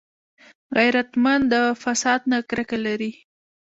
غیرتمند د فساد نه کرکه لري